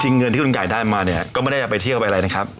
เงินที่คุณไก่ได้มาเนี่ยก็ไม่ได้เอาไปเที่ยวไปอะไรนะครับ